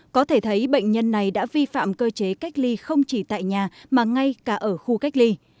có thể thấy bệnh nhân này đã vi phạm cơ chế cách ly không chỉ tại nhà mà ngay cả ở khu cách ly